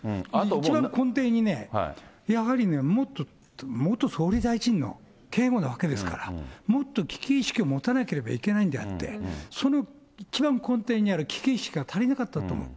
一番の根底にね、やはりね、元総理大臣の警護なわけですから、もっと危機意識を持たなければいけないんであって、その一番根底にある危機意識が足りなかったと思う。